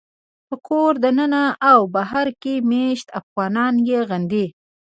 په کور دننه او بهر کې مېشت افغانان یې غندي